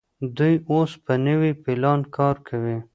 دوی اوس په نوي پلان کار کوي.